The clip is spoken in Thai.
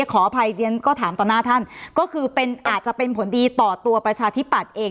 ขออภัยเรียนก็ถามต่อหน้าท่านก็คือเป็นอาจจะเป็นผลดีต่อตัวประชาธิปัตย์เอง